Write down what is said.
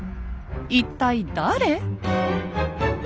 一体誰？